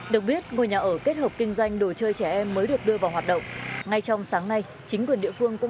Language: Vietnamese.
được biết ngôi nhà ở này là một trong những nhà sập xuống lớn